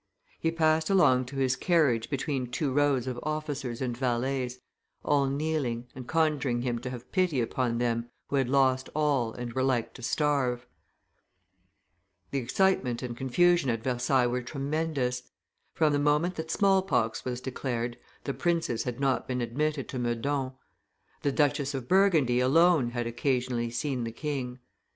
He passed along to his carriage between two rows of officers and valets, all kneeling, and conjuring him to have pity upon them who had lost all and were like to starve. [Illustration: The King leaving the Death bed of Monseigneur 36] The excitement and confusion at Versailles were tremendous. From the moment that small pox was declared, the princes had not been admitted to Meudon. The Duchess of Burgundy alone had occasionally seen the king.